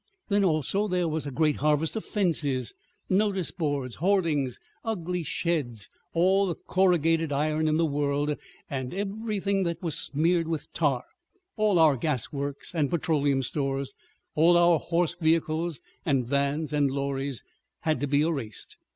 Then also there was a great harvest of fences, notice boards, hoardings, ugly sheds, all the corrugated iron in the world, and everything that was smeared with tar, all our gas works and petroleum stores, all our horse vehicles and vans and lorries had to be erased.